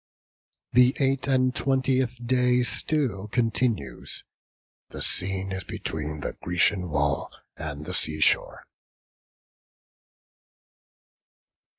The eight and twentieth day still continues. The scene is between the Grecian wall and the sea shore.